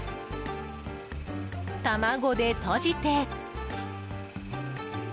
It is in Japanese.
卵でとじて。